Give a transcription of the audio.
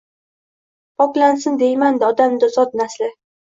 Poklansin deyman-da odamzod nasli